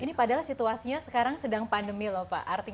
ini padahal situasinya sekarang sedang pandemi loh pak